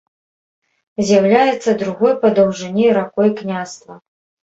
З'яўляецца другой па даўжыні ракой княства.